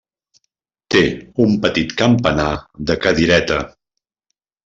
Té un petit campanar de cadireta.